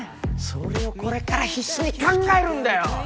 それをこれから必死に考えるんだよ！